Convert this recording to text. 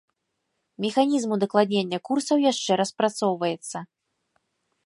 Механізм удакладнення курсаў яшчэ распрацоўваецца.